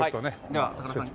では高田さん。